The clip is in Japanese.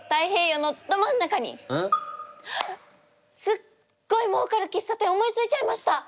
すっごいもうかる喫茶店思いついちゃいました！